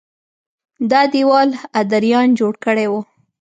دا دېوال ادریان جوړ کړی و